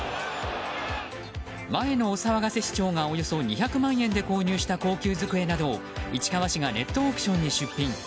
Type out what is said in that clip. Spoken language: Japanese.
前のお騒がせ市長がおよそ２００万円で購入した高級机など市川市がネットオークションに出品。